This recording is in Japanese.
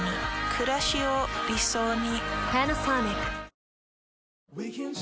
くらしを理想に。